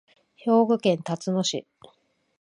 兵庫県たつの市